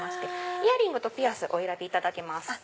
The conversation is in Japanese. イヤリングとピアスお選びいただけます。